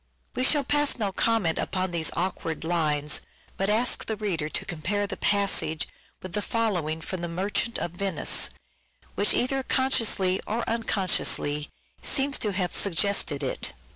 We shall pass no comment upon these awkward lines, but ask the reader to compare the passage with the following from " The Merchant of Venice," which either consciously or unconsciously seems to have suggested it.